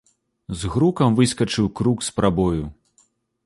З грукам выскачыў крук з прабою.